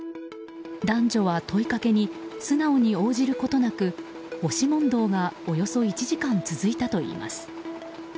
男女は問いかけに素直に応じることなく押し問答がおよそ１時間続いたといいます。